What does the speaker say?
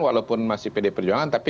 walaupun masih pd perjuangan tapi